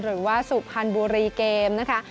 หรือว่าสุภัณฑ์บูรีเกมนะคะ